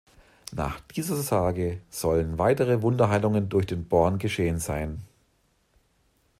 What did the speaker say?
Nach dieser Sage sollen weitere Wunderheilungen durch den Born geschehen sein.